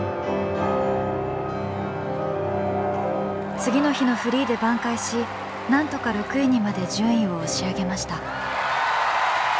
次の日のフリーで挽回しなんとか６位にまで順位を押し上げました。